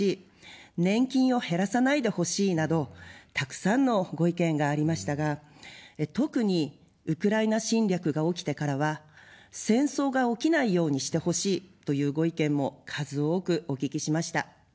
年金を減らさないでほしいなど、たくさんのご意見がありましたが、特にウクライナ侵略が起きてからは、戦争が起きないようにしてほしい、というご意見も数多くお聞きしました。